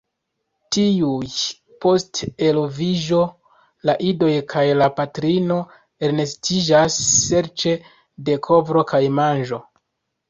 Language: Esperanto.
Tuj post eloviĝo la idoj kaj la patrino elnestiĝas serĉe de kovro kaj manĝo.